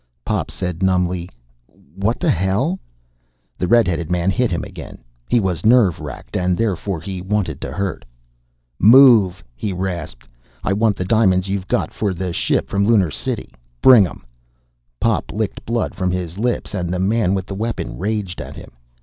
Pop said numbly: "What the hell?" The red headed man hit him again. He was nerve racked, and, therefore, he wanted to hurt. "Move!" he rasped. "I want the diamonds you've got for the ship from Lunar City! Bring 'em!" Pop licked blood from his lips and the man with the weapon raged at him.